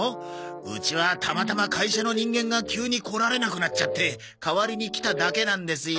うちはたまたま会社の人間が急に来られなくなっちゃって代わりに来ただけなんですよ。